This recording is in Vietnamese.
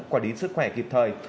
quản lý sức khỏe kịp thời